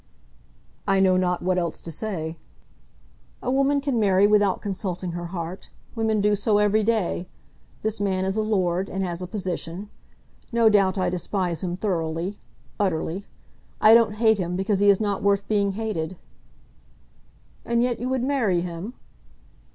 "I know not what else to say." "A woman can marry without consulting her heart. Women do so every day. This man is a lord, and has a position. No doubt I despise him thoroughly, utterly. I don't hate him, because he is not worth being hated." "And yet you would marry him?"